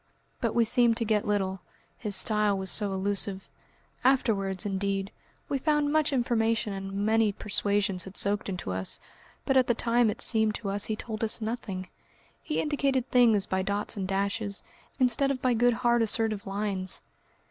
But we seemed to get little, his style was so elusive. Afterwards, indeed, we found much information and many persuasions had soaked into us, but at the time it seemed to us he told us nothing. He indicated things by dots and dashes, instead of by good hard assertive lines.